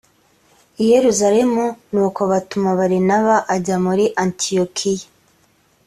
i yerusalemu nuko batuma barinaba ajya muri antiyokiya